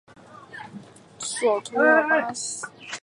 索图索阿里斯是巴西巴伊亚州的一个市镇。